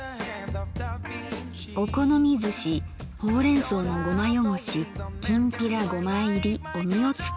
「お好みずしほうれん草のごまよごしきんぴらおみおつけ」。